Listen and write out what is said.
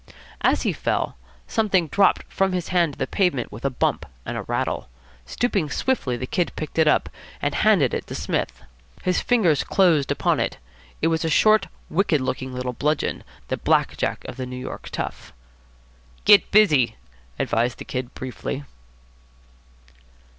As he fell, something dropped from his hand on to the pavement with a bump and a rattle. Stooping swiftly, the Kid picked it up, and handed it to Psmith. His fingers closed upon it. It was a short, wicked looking little bludgeon, the black jack of the New York tough. "Get busy," advised the Kid briefly.